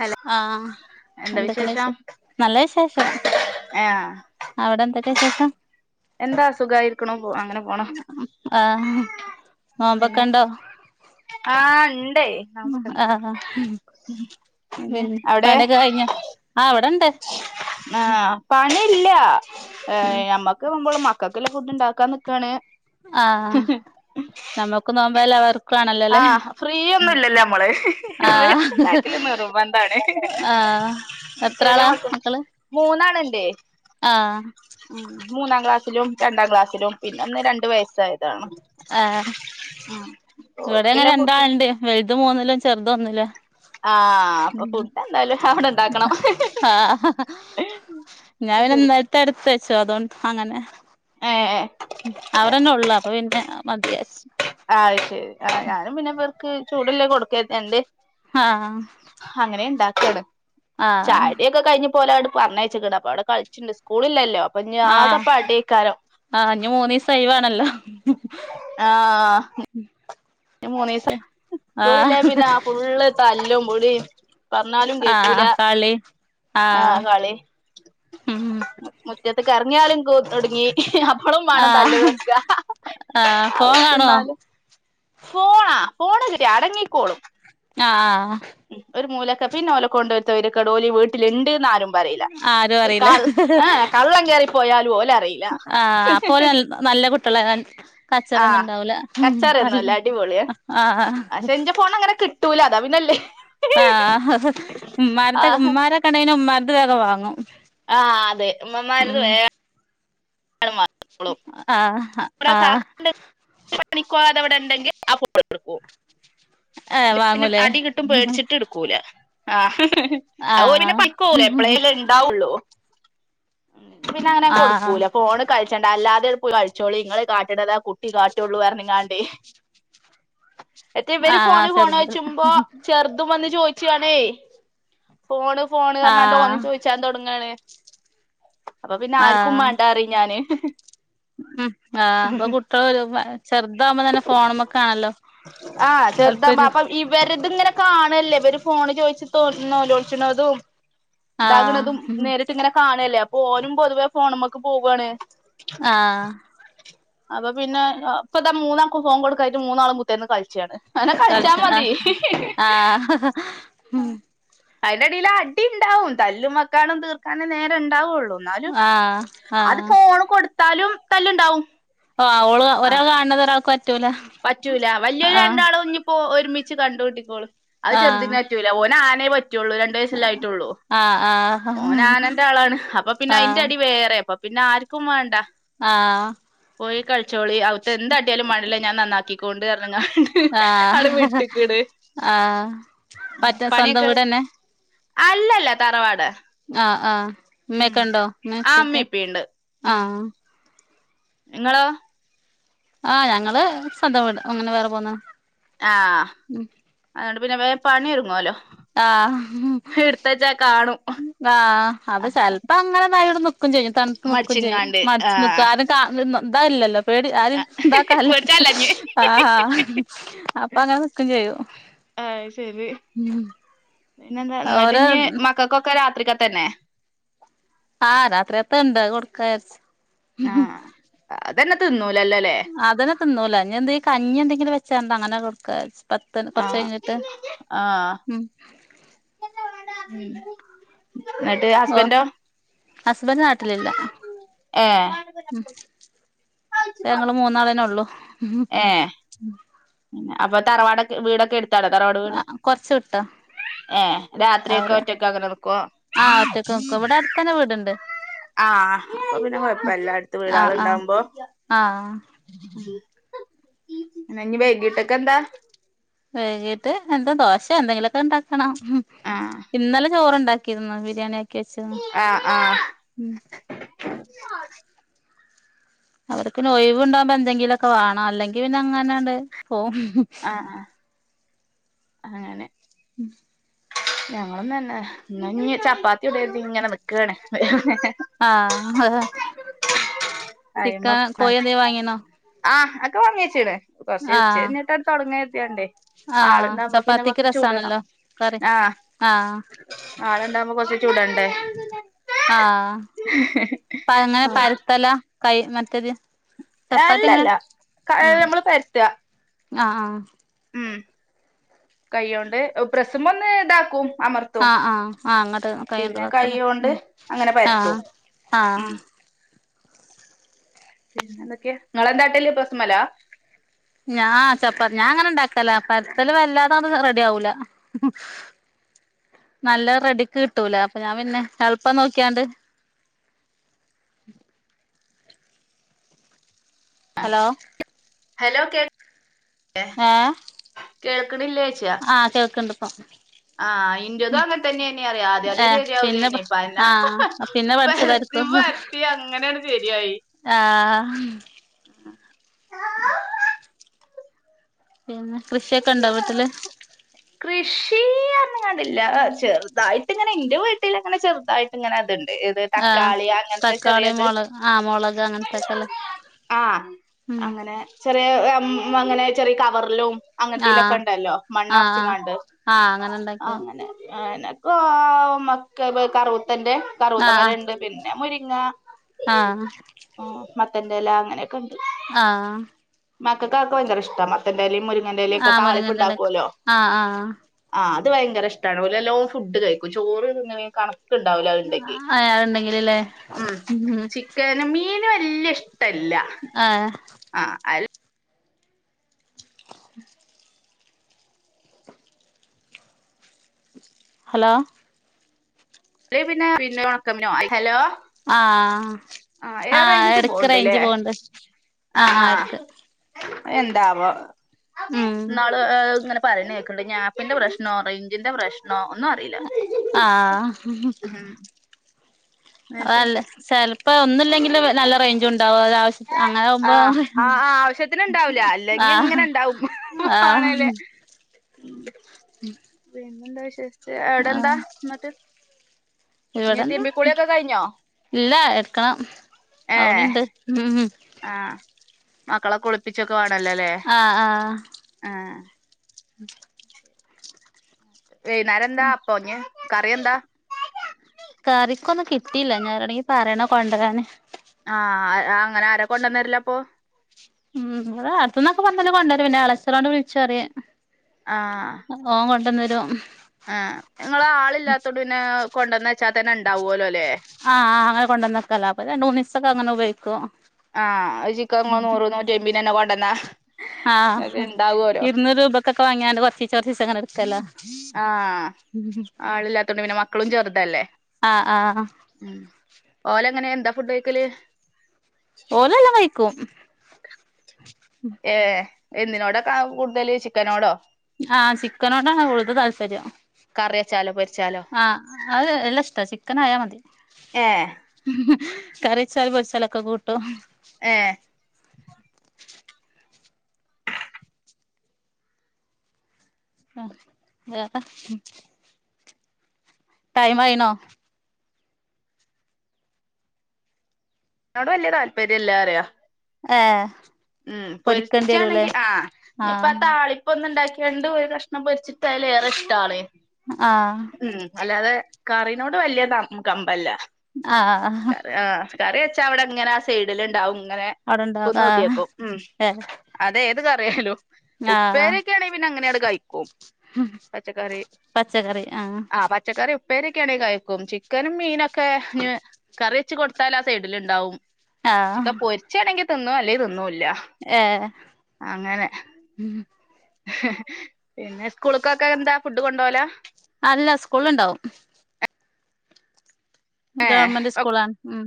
hello ആ എന്താ എന്തൊക്ക വിശ വിശേഷം നല്ല വിശേഷം ആഹ് അവിടെ എന്തൊക്കെ വിശേഷം എന്താ അ സുഖമായിരിക്കണോ പോ അങ്ങനെ പോണം ആഹ് നോമ്പൊക്കെണ്ടോ ആ ഇണ്ടേ -നോബോകോണ്ട് ആഹ് പിന്നെ പണിയൊക്കെ കഴിഞ്ഞ ആവിടെ ആ പണി ഇല്ല ഏ ഉം ഞമ്മക്ക് നുമ്പോൾ മ മക്കക്കല്ല ഫുഡ് ഇണ്ടാക്കാ നിക്കാണ് ആഹ് നമ്മുക്ക് നോമ്പല്ല അവർക്കും ആ ആണല്ലോല്ലേ ഫ്രീ ഒന്നുംല്ലല്ലേ നമ്മള് ആഹ് വെച്ചിണ്ടകൽ നിർബന്ധണ് ആ ശെരി മോക്കോ മൂന്നാണ് ആഹ് മൂന്നാം ക്ലാസിലും രണ്ട ക്ലാസ്സിൽ പിന്നെ ഒന്ന് രണ്ടു വയസ്സായത് ഇതാണ് മ് ഇവേടെനെ രണ്ടാള്ണ്ട് വെൽത് മുന്നിലും ചെറ്ത് ഒന്നിലും ആ അപ്പ ഫുഡ് ന്തായാലും അവടെ ഇ ണ്ടാക്കണം ആഹ് ഞാൻ പിന്നെ ഇന്നേൽത്തെ ഇടുത്തു വെച്ചു അതുകൊണ്ട് അങ്ങനെ ഹേ ഹേ അവരെന്നെള്ളൂ അപ്പൊ പിന്നെ മതിയാച് ആ അഹ് ശരി ആ ഞാനും പിന്നെ പേർക്ക് ചൂട്ല്ലേ കൊടുക്കത്ത എണ്ട് ആ അ ആഹ് ചായുടിയൊക്കെ കഴിഞ്ഞ് പ്പോലെണ്ട് പറഞ്ഞയ്ച്ച്ക്ണ് അപ്പൊ അവിടെ കൾച്ചിണ്ട് സ്കൂളില്ലല്ലോ ഇനി ആഹ ആകെ പടിയേക്കാരം ആഹ് ഇനി മൂന്നീസം ഒയ് വാണല്ലോ ആ ഇനി മൂന്നീസം ആഹ് സ്കൂളില്ലേ പിന്നെ അ ഫുള്ള് തല്ലും പുടിം പറഞ്ഞാലും കേക്കൂല ആഹ് കളി ആ ആഹ് കളി ഉം മുറ്റത്ത്ക്ക് എറങ്ങിയാലും തോടങ്ങി ളും വാണം തല്ല് ആഹ് തീർക്കാ ആഹ് ഫോൺ അവക്ക് കാണോ എന്നാല് ഫോണാ ഫോണ് തരില്ല അടങ്ങിക്കോളും ആ ആ ഉ ഒരു മൂലെക്കെ പിന്നെ ഓലെ കൊണ്ടരു തോയ്ര്യക്കേടും ഓല് ഈ വീട്ടിലിണ്ട് ആരും ബറീല ആരും കാ അറിയില്ല ഹേ ഹേ കള്ളം കയറി പോയാലും ഓലറീല്ല ആഹ് അപ്പൊ ഓല് നല്ല കുട്ടികളെ ഞാൻ കച്ചറൊന്നും ഇണ്ടാവൂല നല്ല കച്ചറയൊന്നുല്ല അടിപൊളിയ ആ പക്ഷെ ഇന്റെ ഫോൺ അങ്ങനെ കിട്ടൂല അതാ പിന്നെല്ലേ ആ ആഹ് ഇമ്മാരകണ്ടെങ്കി ഇമ്മാരത് വേറെ വാങ്ങും ആ അതെ ഇമ്മമാരത് വേഗം ആ ഇവിടെയുണ്ടെങ്കിൽ ഏഹ് പിന്നെ വാങ്ങൂലേ അടി കിട്ടും പേടിച്ചിട്ട് ഇട്ക്കൂല ആ അഹ് ഓല് പിന്നെ പണിക്ക് പോകൂല ആഹ് എപ്പളെല ഇണ്ടാവുള്ളു പിന്നെ അങ്ങനെ ആഹ് കൊടുക്കൂല ഫോണ് കളിച്ചണ്ട അല്ലാതെ കളിച്ച മതി ചോളി ഇങ്ങള് കാട്ട്ണത് കുട്ടി കാട്ടുള്ളൂ പറഞ്ഞ് കാണ്ട് റ്റേ ഇവര് ആഹ് ഫോണ് ഫോൺ ചെറുത് ചെയ്ച്ചുമ്പോ ചെറുതും വന്ന് ചോയ്ച്ചാണേ ഫോണ് ഫോണ് അറ്നാൻണ്ട് ആഹ് ഓനും ചോയ്ച്ചാൻ തോടങ്ങാണ് അപ്പ പിന്നെ ആർക്കും മാണ്ടാ പറയും ഞാൻ ഉ ആ അപ്പൊ കുട്ടികൾ ആ ചെറുതാബോ താല്പര്യം അപ്പ ഇവരെത് ഇങ്ങനെ കാണുമ്പോൾ ണല്ല ഇവര് ഫോണ് ചോയ്ച്ച് ന്നോള്ളോ ച്ച്ണതും ഇതാക്ണതും ആഹ് നേരിട്ട് ഇങ്ങനെ കാണല്ലേ അപ്പൊ ഓനും പൊതുവേ ഫോണ് മ്മക്ക് പോവാണ് ആ അപ്പ പിന്നെ ഇപ്പതാ മൂന്നാക്കും ഫോൺ കൊടുക്കായിട്ട് മൂന്നാളും കുത്തിരിന്ന് കളിച്ചാണ് അന്ന കൾച്ചാ കളിച്ച മതി ആഹ് ആഹ് അയിന്റെ ഇടിയിൽ അടി ണ്ടാവും തല്ലും വക്കാണും തീർക്കാനേ നേരെണ്ടാവുള്ളു ന്നാലും ആഹ് അത് ആഹ് ഫോണ് കൊട്ത്താലും തല്ല്ണ്ടാവും ആ ഓള് ഒരാള് കാണുന്നത് ഒരാൾക്ക് പറ്റുല്ല പറ്റൂല വല്ല്യോല് രണ്ടാളും ഇഞ്പ്പോ ഒ ഒരുമിച്ച് കണ്ടുട്ടിക്കോളി അത് ആഹ് ചെറുതിന് പറ്റുല്ല ഓന് ആനെ പറ്റ രണ്ട് വയസ്സെല്ലേ ആയിട്ടുള്ളൂ ആഹ് ആഹ് ഓൻ ആനന്റെ ആളാണ് അപ്പ പിന്നെ അയ്ന്റെ അടി വേറെ അപ്പം പിന്നെ ആർക്കും വേണ്ട ആ പോയി കൾച്ചോളി അൾക്ക് എന്താ കാട്ടി യാലും മാണ്ടില്ല നക്കിക്കൊണ്ട് പറഞ്ഞ് കാട്ട് വിട്ട്ക്ക്ണ് ആ മറ്റേ സ്വന്തം പണിയൊക്കെ വീടന്നെ അല്ലല്ല തറവാട് ആഹ് ആഹ് ഇമ്മ ഉം ഒക്കെ ഉണ്ടോ ആ ഇമ്മീം ആ നിങ്ങളോ ആ ഞങ്ങള് സ്വന്തം വീട അങ്ങനെ വേറെ പോന്നതാ ആ അതുകൊണ്ട് പിന്നെ വേഗം പണിയൊരുങ്ങുവല്ലോ എടുത്തച്ചാ കാണും ആ അത് ചെലപ്പോ അങ്ങനെന്നായിട നിക്കും ചെയ്യും തണുത്ത് നിക്കും ചെയ്യും മടിച്ചിങ്ങാണ്ട് മടിച്ച് നിക്കും ആഹ് ആരും കാ എന്താ ഇല്ലല്ലോ പേടി ആര് ഇണ്ടാക്കല്ലേ പേടിച്ചാല്ലഞ്ഞ് ആ അപ്പൊ അങ്ങനെ നിക്കയും ചെയ്യും ആഹ് ശരി പിന്നെ എന്താ എന്നിട്ട് ഓരോ ഇഞ് മക്കൾക്കൊക്കെ രാത്രിക്കത്തെ തന്നെ ആ രാത്രി ത്തെ ഉണ്ട് അത് കൊടുക്കാന്ന് വച്ചു ആഹ് അതന്നെ തിന്നുവോല് അതന്നെ തിന്നൂല ഇനി എന്തെലും കഞ്ഞി എന്തെങ്കിലും വെച്ചാണ്ടോ അങ്ങനെ കൊടുക്കാ വച്ചു പത്ത് കൊറച്ച് ആഹ് കഴിഞ്ഞിട്ട് മ്മ് മ്മ് എന്നിട്ട് ഓ ഹസ്ബൻഡോ ഹസ്ബൻഡ് നാട്ടിലില്ല ഏഹ് മ്മ് ഇപ്പം ഞങ്ങള് മൂന്നാളേനെ ഉള്ളു അപ്പ തറവാടൊക്കെ വീടക്കെടുത്ത് ആ കൊറച്ച് വിട്ട ഏഹ് രാത്രിയൊക്കെ അവടെ ഒറ്റക്ക് അങ്ങനെ നിക്കുവോ ആ ഒറ്റക്ക് നിക്കും ഇവിടെ അടുത്തന്നെ വീടുണ്ട് ആ അപ്പോ പിന്നെ കുഴപ്പമില്ല എല്ലായിടത്തും വീട് ആഹ് ആള് ആഹ് ഇണ്ടാവുമ്പോ ആഹ് ഇനി വൈകിട്ടൊക്കെ എന്താ വൈകീട്ട് എന്താ ദോശ എന്തെങ്കിലുമൊക്കെ ഇണ്ടാക്കണം ആഹ് ഇന്നലെ ചോറ്ണ്ടാക്കിരുന്നു ബിരിയാണി ക്കേച്ചത് ആഹ് ആഹ് മ്മ് അവർക്ക് പിന്നെ ഒ യിവ് ഇണ്ടാകുമ്പോ എന്തെങ്കിലും മൊക്കെ വേണം അല്ലെങ്കി പിന്നെ അങ്ങനങ്ങട് പോവും ആഹ് ആഹ് അങ്ങനെ മ്മ് ഞങ്ങളന്ന തന്നെ എന്നാന്ന് ചപ്പാത്തി ഇന്ന് ചപ്പാത്തി ചുടാൻ ഇങ്ങനെ നിക്കാണ് ആ അയ്മപ്പ ആ ഒക്കെ വാങ്ങേച്ചീണ് കുറച്ച് ഉച്ച ആഹ് കഴിഞ്ഞിട്ട് അത് തുടങ്ങാന്ന് കരുതിയോണ്ടെ ആഹ് ആളുണ്ട പ്പോ പിന്നെ ചപ്പാത്തിക്ക് കൊറച്ച് ചൂടണം രസാണല്ലോ കറി ആഹ് ആഹ് ആള് ഉണ്ടാവുമ്പോ പിന്നെ കൊറച്ച് ചുടണ്ടേ ആ എങ്ങനെ പരത്തല കൈ മറ്റത് ഏയ് അല്ലല്ല നമ്മള് പരത്തുക അ ആ മ്മ് കൈ കൊണ്ട് പ്രസ്സുമേൽ ഒന്ന് ഇതാക്കും അമർത്തും ആ ആ ആ അങ്ങോട്ട് കൈ കൊണ്ട് പിന്നെ ഇതാക്കുംല്ലേ കൈയ്യോണ്ട് മ്മ് അങ്ങനെ പരത്തും ആഹ് ആ ഉം പിന്നെ എന്തൊക്കെയ നിങ്ങളെന്താട്ടല്ല് പ്രസ്സ്മലാ ഞാൻ ചപ്പാത്തി ഞാൻ അങ്ങനെ ഇണ്ടാക്കല പരുത്തല് വല്ലാതെ അത് റെഡി ആവുല നല്ല റെഡിക്ക് കിട്ടൂല അപ്പൊ ഞാൻ പിന്നെ എളുപ്പം നോക്കിയാണ്ട് ഹലോ ഹലോ കേൾക്ക ഏ ആ കേൾക്കുന്നുണ്ട് ഇപ്പം ആ ഇന്റതും ഉം അങ്ങൻ തന്നെ അറിയാം ആദ്യ അതേ ഏഹ് പിന്നെ ശരിയാവലേന്നെ ഇപ്പ ആഹ് പിന്നെ പഠിച്ചതായിരിക്കും പരത്തി അങ്ങനെയാ ശരിയായി ആ ആ [inaudible] പിന്നെ കൃഷിയൊക്കെ ഉണ്ടോ വീട്ടില് കൃഷി പറഞ്ഞുകാണ്ട് ഇല്ല ക ചെറുതായിട്ട് ഇങ്ങനെ എന്റെ വീട്ടില ഇങ്ങനെ ചെറുതായിട്ട് ഇങ്ങനെ ഉണ്ട് ഏത് ആഹ് തക്കാളി അങ്ങനത്തെ തക്കാളി ചെറിയത് മുളക് ആഹ് മുളക് അങ്ങനത്തൊക്കെല്ലേ ആ ഉം അങ്ങനെ ചെറിയ അങ്ങനെ ചെറിയ കവറിലും അങ്ങനത്തലൊക്കെ ആഹ് ഉണ്ടല്ലോ മണ്ണാ ആഹ് ച്ച് ആഹ് ങ്ങാണ്ട് ആഹ് അങ്ങനെ ആ ഉണ്ടാക്കിയ അങ്ങനെ നക്ക മക്ക കറവൂത്തന്റെ കറുത്തമാര ഉണ്ട് പിന്നെ മുരിങ്ങ ആ മത്തന്റെ എല അങ്ങനെയൊക്കെ ഉണ്ട് ആ മക്കൾക്കൊക്കെ ഭയങ്കര ഇഷ്ട മത്തൻ്റല മുരുങ്ങന്റെല ഒക്കെ ആഹ് താളിപ്പ് മുരിങ്ങന്റെലൊക്കെ ഉണ്ടാക്കുല്ലോ ആഹ് ആഹ് ആ അത് ഭയങ്കര ഇഷ്ടാണ് ഓല്‌ നല്ലോ ഫുഡ് കഴിക്കും ചോറ് തിന്ന് ണെക്കാളും ണ്ടാവലോ അത്ണ്ടെങ്കി ആഹ് അതുണ്ടെങ്കിലല്ലേ ഉ ഉം ചിക്കനും മീന് വല്ല്യ ഇഷ്ട ആഹ ആ അ [inaudible] ഹലോ [unintelligible] ഹലോ ആഹ ഏ ആ റേഞ്ച് പോവ്ണ്ട്ല്ലേ എടക്ക്റേഞ്ച് പോണ്ട് ആ എന്താവോ ഉം നാള് ഇങ്ങനെ പറഞ്ഞഞ് കേക്ണ്ട് ആപ്പിന്റെ പ്രശ്നം റെയിഞ്ചിന്റെ പ്രശ്നം ആ ഉം ന്നട്ട് അല്ല സല് [unintelligible] അപ്പ ഒന്നുമില്ലെങ്കില് നല്ല റേഞ്ച് ഉണ്ടാവും അവശ്യ അങ്ങനെ ആകുമ്പോ എങ്ങനെ ഉണ്ടാവും ആ പിന്നെന്താ വിശേഷിച്ച് എവിടെ എന്താ എന്നിട്ട് ഇവിടെന്ന ഇല്ല എടുക്കണം അവനുണ്ട് ഉം ഉം ആ മക്കളൊക്കെളിപ്പിച്ചൊക്കെ വേണല്ലോല്ലേ ആഹ് ആ ഉ [inaudible] വൈകുന്നേരം എന്താ അപ്പഞ്ഞ് കറിയെന്താ ക്കൊന്നും കിട്ടിയില്ല ഇനി ആരുടെയെങ്കിലു പറയണം കൊണ്ടുവരാന് ആഹ അങ്ങനെ ആര കൊണ്ടുവന്നുതരൽ അപ്പൊ ഉ അ അടുത്തന്നൊക്കെ പറഞ്ഞാല് കൊണ്ടുവരും പിന്നെ അളച്ചനോണട് വിളിച്ച് പറയെ ഓന്കൊണ്ടന്നരു ആ് നിങ്ങ ആളില്ലാത്തോട പിന്നെ കൊണ്ടുവന്ന വെച്ചാൽ തന്നെ ഉണ്ടാവുലോ ആഹ് അങ്ങനെ കൊണ്ടന്നക്കലാ അപ്പൊ രണ്ടുമൂന്ന് ദിവസം അങ്ങന ഉപയോഗിക്കും ആഒരു ചിക്കന് നൂറ് നൂറ്റിമ്പത് ക്കെ കൊണ്ടന്നാ ഇങ്ങക്ക് ആഹ് ഇണ്ടാവോലോ ഇരുനൂറ് രൂപക്കക്കെ വാങ്ങിയാല് കുറച്ച് കുറച്ച് ങ്ങന എടുക്കല്ല ആ ആളില്ലാത്തോണ്ട് പിന്നെ മക്കളും ചെറുതല്ലേ ആ ആ ഓല എങ്ങനെ എന്താ ഫുഡ് കഴിക്കല് ഓല് ല്ലാം കഴിക്കും ഏ എന്തിനോട കാ കൂടുതൽ ചിക്കനോടോ ആ ചിക്കനോടാണ് ഓല്ക്ക് താല്പര്യം കറിച്ചാലും പൊരി ആ അത് എല്ലാ ഇഷ്ട ചിക്കന് ആയ മതി ഏഹ് കറി വച്ചാൽ പൊരിച്ചാലൊക്കെ കൂട്ടും ഏ ആ അ ടൈം ആയിനോ എന്നോട് വലിയ താല്പര്യംല്ല അറിയ ഏ ഉം പൊരിച്ചാണെങ്കി ആ ഇപ്പ ആ ആഹ് താളിപ്പ ഒന്ന് ഉണ്ടാക്കി രണ്ടും ഒരു കഷ്ണം പൊരിച്ചിട്ടായാല ഏറെ ഇഷ്ടാണ് ആഹ് ഉം അല്ലാതെ കറിനോട് വലിയ കമ്പമില്ല ആ കറി വെച്ചാ അവിടെങ്ങനെ സൈഡിൽ ഉണ്ടാവും അവിടെണ്ടാവും ആ അത് ഏത് കറിയായാലും ഉപ്പേരൊക്കെയാണെങ്കിൽ പിന്നെ അങ്ങനെയങ്ങ് കഴിക്കും പച്ചക്കറി പച്ചക്കറി ആഹ് ആ പച്ചക്കറി ഉപ്പേരി ഒണെങ [unintelligible] കഴിക്കും ചിക്കനും മീനൊക്കെ കറി വെച്ച് കൊടുത്താൽ ആ സൈഡിൽ ഉണ്ടാവും ആഹ് ചിക്കൻ പൊരിച്ചാണെങ്കിൽ തിന്നോ അല്ലെങ്ക തിന്നോ [unintelligible] ല്ല ഏഹ് അങ്ങനെ ഹ ഹ പിന്നെ സ്കൂൾക്കൊക്കെ എന്താ ഫുഡ് കൊണ്ടപോല അല്ല സ്കൂളുണ്ടാവും ഗവൺമെന്റ് സ്കൂളാണ് ഉം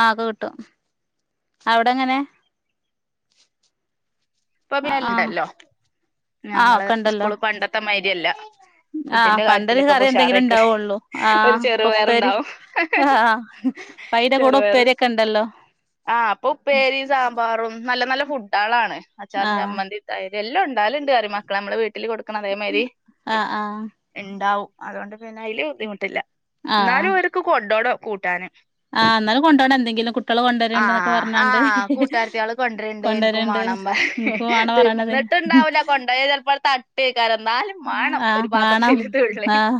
ആ ഒക്കെ കിട്ടും അവിടെങ്ങനെ ഇപ്പൊ ആഹ് പിണ്ടല്ലോ ആഹ് നമ്മള് സ്കൂള് പണ്ടത്തെ മാരിയല്ല ആ പണ്ടൊരു കറി എന്തെങ്കിലും ഉണ്ടാവുള്ളൂ ആ ഒരു കൊപ്പര് ചെറുപയറുണ്ടാവും ആ പൈടെ [unintelligible] കൂടെ ചെറുപയറ് ഉപ്പേരിയൊക്കെ ഉണ്ടല്ലോ ആ അപ്പൊ ഉപ്പേരി സാമ്പാറും നല്ല നല്ല ഫുഡ്കളാണ് അച്ചാറും ആഹ് ചമ്മന്തിയും തൈരും എല്ലാം ഉണ്ടാലും ഉണ്ട്മക്കൾ നമ്മടെ വീട്ടില് വീട്ടില് കൊടുക്കണം അതേമാതിരി ആഹ് ആഹ് ഉണ്ടാവും അതുകൊണ്ട് പിന്നെ അതിൽ ബുദ്ധിമുട്ടില്ല എന്നാലും അവർക്ക് കൊണ്ടുപോകണം കൂട്ടാന് ആ എന്നാലും കൊണ്ടോ പോണം എന്തെങ്കിലും കു ആ ആ കൂട്ടാരത്തി ആള് കൊണ്ടരണ്ട് എനിക്കും കൊണ്ടര്ണ്ട് വേണം ഇൻക്ക് വാണം തിന്നിട്ട് പറയണത് തട്ടുണ്ടാവില്ല കൊണ്ടത് ചിലപ്പോഴ തട്ട് കേക്കാ എ എന്നാലും വേണം ആഹ് ഒരു വാണം പാത്രത്തിൽ ത ആഹ്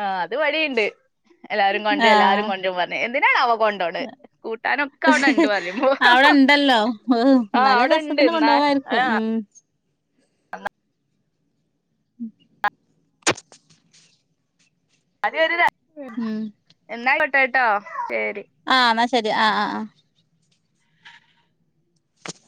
ആ അത് വഴിയുണ്ട് എല്ലാരും കൊണ്ടും എല്ലാരും ആഹ് കൊണ്ടും പറഞ്ഞഞ് എന്തിനാണ് അവ കൊണ്ടോണ് കൂട്ടാനൊക്കെ അവിടെണ്ട് പറയുമ്പോ അവിടെ ഉണ്ടല്ലോ ആഹ് നല്ല അവിടെണ്ട് രസത്തിന് കൊണ്ടപോവായിരിക്കും ഉം അല്ല [unintelligible] ഉം [unintelligible] അ ഉം എന്നാ കേട്ട കേട്ടോ ശരി ആ എന്നാ ശരി ആ ആ ആ